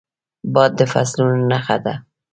باد د فصلونو نښه ده